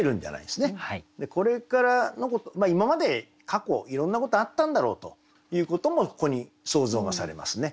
まあ今まで過去いろんなことあったんだろうということもここに想像がされますね。